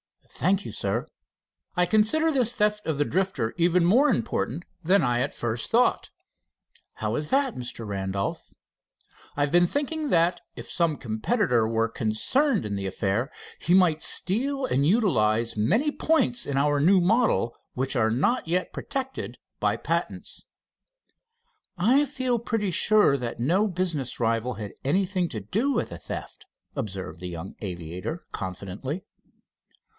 "Thank you, Sir." "I consider this theft of the Drifter even more important than I at first thought." "How is that, Mr. Randolph?" "I have been thinking that if some competitor was concerned in the affair, he might steal and utilize many points in our new model which are not yet protected by patents." "I feel pretty sure that no business rival had anything to do with the theft," observed the young aviator confidently.